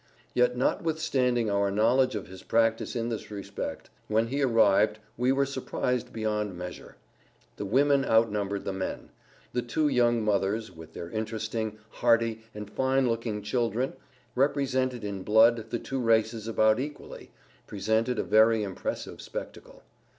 Yet notwithstanding our knowledge of his practice in this respect, when he arrived we were surprised beyond measure. The women outnumbered the men. The two young mothers, with their interesting, hearty and fine looking children representing in blood the two races about equally presented a very impressive spectacle.